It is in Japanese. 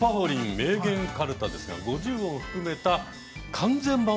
名言かるたですが５０音含めた完全版をですね。